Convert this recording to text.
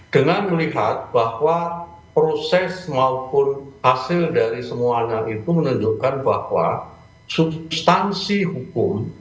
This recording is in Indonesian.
dengan melihat bahwa proses maupun hasil dari semuanya itu menunjukkan bahwa substansi hukum